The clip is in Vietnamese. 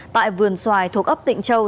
tại vườn xoài thuộc ấp tịnh châu